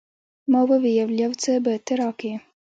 ما وويل يو څه به ته راکې.